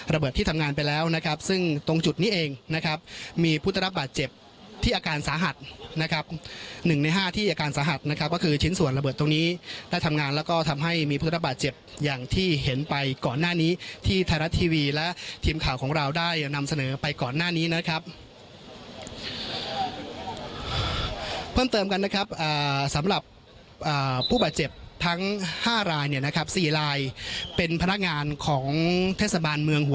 ระเบิดที่ทำงานไปแล้วนะครับซึ่งตรงจุดนี้เองนะครับมีผู้ตรับบาดเจ็บที่อาการสาหัสนะครับหนึ่งในห้าที่อาการสาหัสนะครับก็คือชิ้นส่วนระเบิดตรงนี้ได้ทำงานแล้วก็ทำให้มีผู้ตรับบาดเจ็บอย่างที่เห็นไปก่อนหน้านี้ที่ไทยรัฐทีวีและทีมข่าวของเราได้นำเสนอไปก่อนหน้านี้นะครับเพิ่มเติมกันนะครับสำหรับผู้